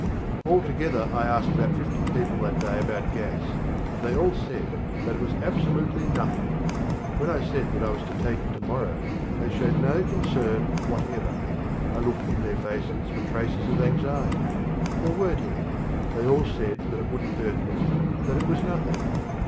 Altogether I asked about fifty people that day about gas, and they all said that it was absolutely nothing. When I said that I was to take it to morrow, they showed no concern whatever. I looked in their faces for traces of anxiety. There weren't any. They all said that it wouldn't hurt me, that it was nothing.